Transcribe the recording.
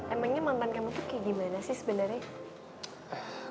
emangnya mantan kamu tuh kayak gimana sih sebenarnya